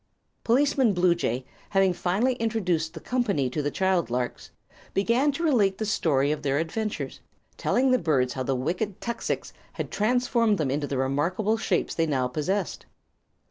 Policeman Bluejay, having finally introduced all the company to the child larks, began to relate the story of their adventures, telling the birds how the wicked tuxix had transformed them into the remarkable shapes they now possessed.